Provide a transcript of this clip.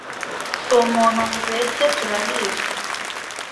su muntu ngo ibeshye turabizi